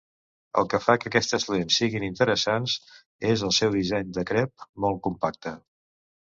El que fa que aquestes lents siguin interessants és el seu disseny de "crep" molt compacte.